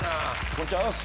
こんにちはっす